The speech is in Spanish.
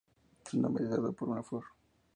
Su nombre es dado por una flor.